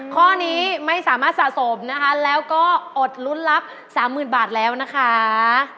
ตอนนี้ไม่สามารถสะสมนะคะแล้วก็อดรุ่นลับ๓๐๐๐๐บาทแล้วนะคะ